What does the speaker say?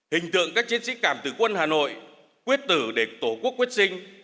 hình tượng các chiến sĩ cảm tử quân hà nội quyết tử để tổ quốc quyết sinh